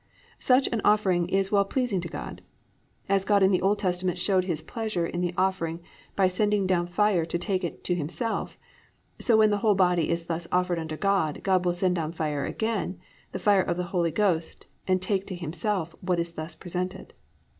_ Such an offering is well pleasing to God. As God in the Old Testament showed His pleasure in the offering by sending down fire to take it to Himself, so when the whole body is thus offered to God, God will send down fire again, the fire of the Holy Ghost, and take to Himself what is thus presented.